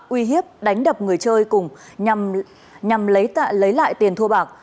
uy hiếp đánh đập người chơi cùng nhằm lấy lại tiền thua bạc